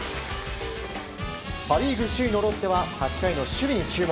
パ・リーグ首位のロッテは８回の守備に注目。